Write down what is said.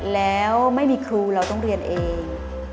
แล้วไม่มีครูเราต้องเรียนเอง